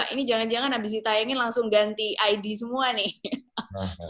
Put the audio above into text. ini jangan jangan habis ditayangin langsung ganti id semua nih